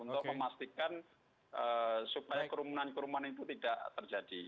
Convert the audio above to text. untuk memastikan supaya kerumunan kerumunan itu tidak terjadi